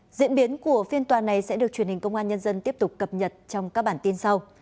diễn biến của phiên tòa này sẽ được truyền hình công an nhân dân tiếp tục cập nhật trong các bản tin sau